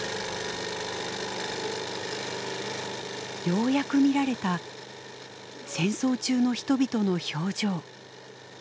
ようやく見られた戦争中の人々の表情。